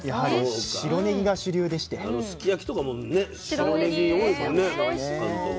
すき焼きとかもね白ねぎ多いもんね関東は。